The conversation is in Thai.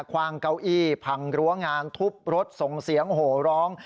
ว่างเก้าอี้พังรั้วงานทุบรถส่งเสียงโหร้อง